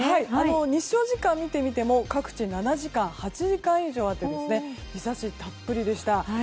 日照時間を見てみても各地で７時間、８時間以上あって日差したっぷりでした。